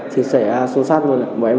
dọc đợt lái nguồn